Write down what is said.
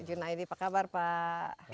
junaydi apa kabar pak